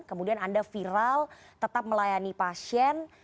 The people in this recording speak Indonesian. kemudian anda viral tetap melayani pasien